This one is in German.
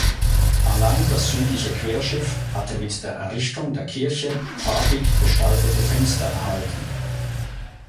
Allein das südliche Querschiff hatte mit der Errichtung der Kirche farbig gestaltete Fenster erhalten.